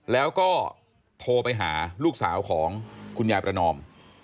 แล้วก็โทรไปหาลูกสาวของคุณยายประนอม